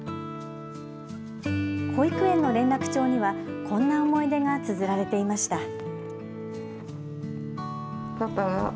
保育園の連絡帳にはこんな思い出がつづられていました。